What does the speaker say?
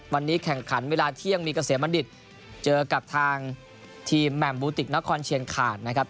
วันนี้แข่งขันเวลาเที่ยงมีเกษมบัณฑิตเจอกับทางทีมแหม่มบูติกนครเชียงขาดนะครับ